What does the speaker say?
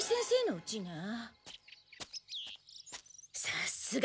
さすが！